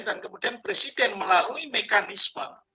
dan kemudian presiden melalui mekanisme